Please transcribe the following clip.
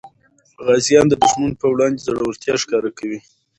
غازیان د دښمن په وړاندې زړورتیا ښکاره کوي.